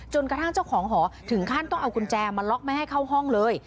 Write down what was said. กระทั่งเจ้าของหอถึงขั้นต้องเอากุญแจมาล็อกไม่ให้เข้าห้องเลย